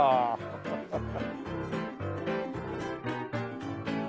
ハハハハ！